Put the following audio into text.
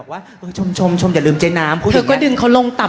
ว่าเออชมชมชมอย่าลืมใจน้ำพูดอย่างเงี้ยเธอก็ดึงเขาลงต่ำ